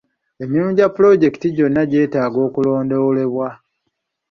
Emirimu gya pulojekiti gyonna gyeetaaga okulondoolebwa.